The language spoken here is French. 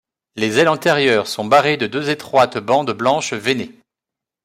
Les ailes antérieures sont barrées de deux étroites bandes blanches veinées.